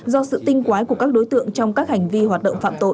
do sự tinh quái của các đối tượng trong các hành vi hoạt động phạm tội